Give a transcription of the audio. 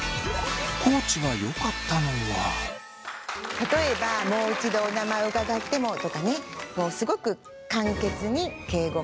例えば「もう一度お名前を伺っても」とかねすごく簡潔に敬語もよかった。